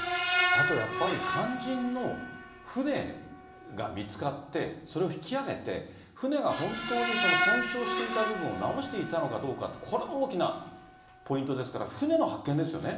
あとやっぱり、肝心の船が見つかって、それを引き揚げて、船が本当に損傷していた部分を直していたのかどうかって、これも大きなポイントですから、船の発見ですよね。